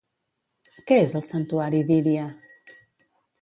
Què és el santuari d'Íria?